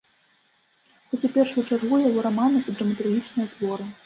Хоць у першую чаргу яго раманы і драматургічныя творы.